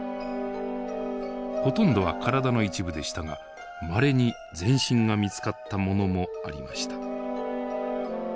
ほとんどは体の一部でしたがまれに全身が見つかったものもありました。